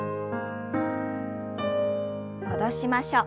戻しましょう。